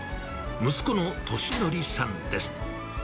息子の寿憲さんです。